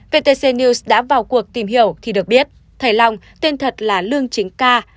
vtc news đã vào cuộc tìm hiểu thì được biết thầy long tên thật là lương chính ca